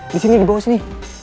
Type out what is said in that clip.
disini dibawah sini